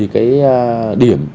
một mươi cái điểm